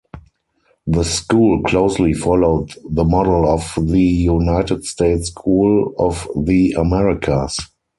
The school closely followed the model of the United States School of the Americas.